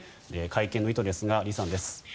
会見の意図ですが李さんです。